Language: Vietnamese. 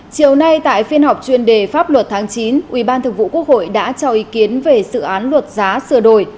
chiều nay tại phiên họp chuyên đề pháp luật tháng chín ubthqh đã cho ý kiến về sự án luật giá sửa đổi